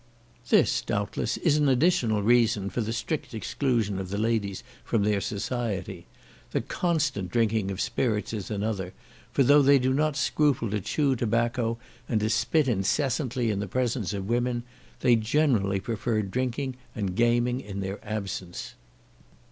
This doubtless is an additional reason for the strict exclusion of the ladies from their society. The constant drinking of spirits is another, for though they do not scruple to chew tobacco and to spit incessantly in the presence of women, they generally prefer drinking and gaming in their absence.